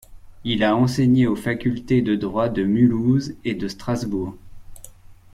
Il a enseigné aux facultés de droit de Mulhouse et de Strasbourg.